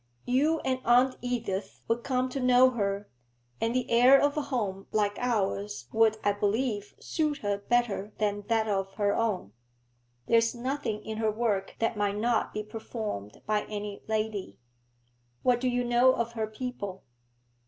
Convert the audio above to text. You and aunt Edith would come to know her, and the air of a home like ours would, I believe, suit her better than that of her own. There is nothing in her work that might not be performed by any lady.' 'What do you know of her people?'